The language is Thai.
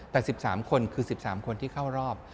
แต่๑๓คนคือ๑๓คนที่เข้ารอบ